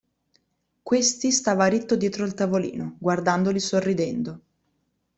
Questi stava ritto dietro il tavolino, guardandoli sorridendo.